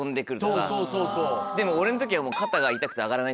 でも俺の時はもう。